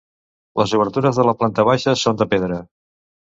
Les obertures de la planta baixa són de pedra.